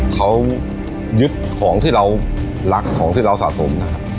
เขายึดของที่เรารักของที่เราสะสมนะครับ